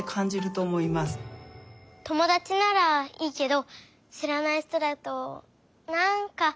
ともだちならいいけどしらない人だとなんかいやかも。